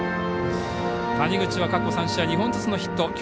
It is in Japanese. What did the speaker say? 谷口は過去３試合２本ずつのヒット。